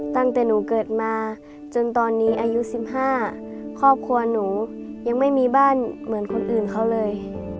ตั้งแต่หนูเกิดมาจนตอนนี้อายุ๑๕ครอบครัวหนูยังไม่มีบ้านเหมือนคนอื่นเขาเลย